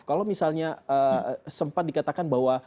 kalau misalnya sempat dikatakan bahwa